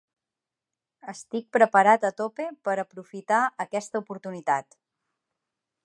Estic preparat a tope per aprofitar aquesta oportunitat.